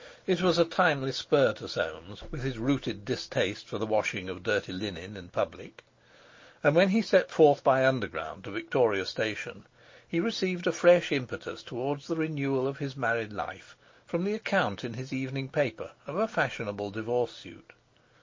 It was a timely spur to Soames, with his rooted distaste for the washing of dirty linen in public. And when he set forth by Underground to Victoria Station he received a fresh impetus towards the renewal of his married life from the account in his evening paper of a fashionable divorce suit.